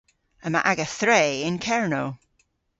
Yma aga thre yn Kernow.